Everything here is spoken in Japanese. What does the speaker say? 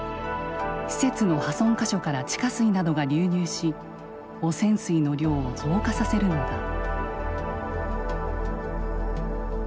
施設の破損箇所から地下水などが流入し汚染水の量を増加させるのだ。